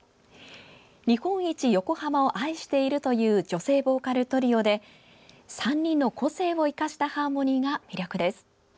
日本一、横浜を愛しているという女性ボーカルトリオで３人の個性を生かしたハーモニーが魅力です。